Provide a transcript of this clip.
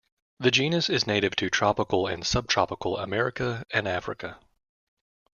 The genus is native to tropical and subtropical America and Africa.